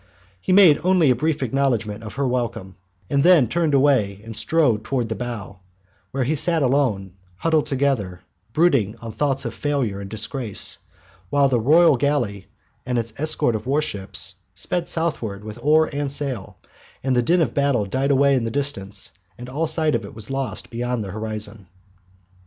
He made only a brief acknowledgment of her welcome, and then turned away and strode forward to the bow, where he sat alone, huddled together, brooding on thoughts of failure and disgrace, while the royal galley and its escort of warships sped southward with oar and sail, and the din of battle died away in the distance, and all sight of it was lost beyond the horizon.